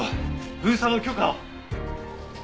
封鎖の許可を。